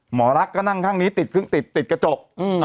หมอรักก็นั่งทางนี้ติดกระจก